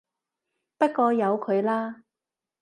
不過由佢啦